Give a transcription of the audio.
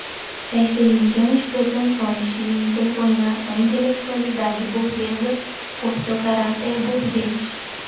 Estas ingênuas pretensões de envergonhar a intelectualidade burguesa por seu caráter burguês